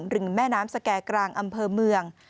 ริมแม่น้ำสแก่กลางอำเภอเมือง